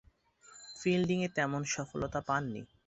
ফিল্ডিংয়ে তেমন সফলতা পাননি।